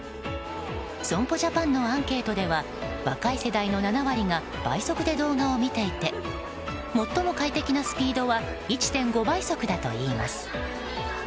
損保ジャパンのアンケートでは若い世代の７割が倍速で動画を見ていて最も快適なスピードは１．５倍速だといいます。